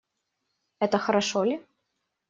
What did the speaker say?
Это хорошо ли?